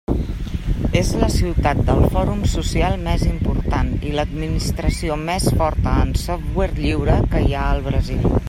És la ciutat del fòrum social més important i l'Administració més forta en software lliure que hi ha al Brasil.